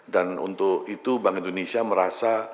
dan untuk itu bank indonesia merasa